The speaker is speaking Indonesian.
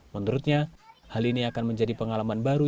menurutnya hal ini akan menjadi pengalaman baru